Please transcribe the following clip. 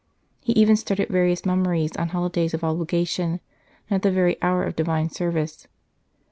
He even started various mummeries on holidays of obliga tion, and at the very hour of Divine service.